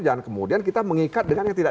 jangan kemudian kita mengikat dengan yang tidak